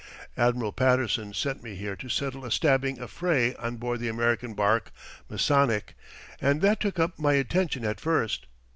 Admiral Patterson sent me here to settle a stabbing affray on board the American barque Masonic, and that took up my attention at first.